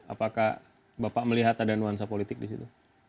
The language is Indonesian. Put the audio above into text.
apakah bapak melihat ada nuansa politik disitu